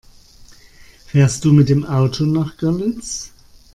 Fährst du mit dem Auto nach Görlitz?